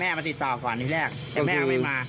แม่มาติดต่อก่อนทีแรกไม่แม่ว่ามา